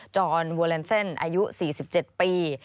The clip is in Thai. จอห์นโวลันเซ็นต์อายุ๔๗ปี